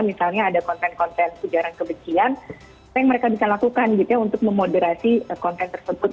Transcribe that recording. misalnya ada konten konten ujaran kebencian apa yang mereka bisa lakukan gitu ya untuk memoderasi konten tersebut